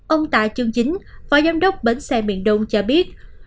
ông tạ trương chính phó giám đốc bến xe miền đông cho biết